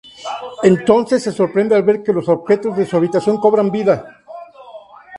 Entonces se sorprende al ver que los objetos de su habitación cobran vida.